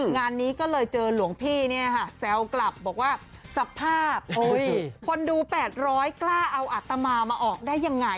งานนี้ก็เลยเจอหลวงพี่เนี่ยค่ะแซวกลับบอกว่าสภาพคนดู๘๐๐กล้าเอาอัตมามาออกได้ยังไง